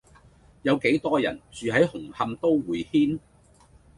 有幾多人住喺紅磡都會軒